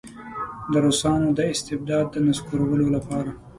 د روسانو د استبداد د نسکورولو لپاره.